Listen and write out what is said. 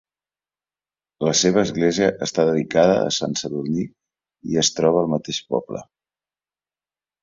La seva església està dedicada a Sant Sadurní i es troba al mateix poble.